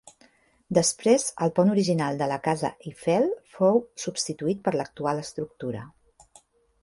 Després el pont original de la casa Eiffel fou substituït per l'actual estructura.